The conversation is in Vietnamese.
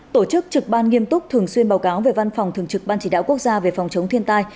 tổ chức trực ban nghiêm túc thường xuyên báo cáo về văn phòng thường trực ban chỉ đạo quốc gia về phòng chống thiên tai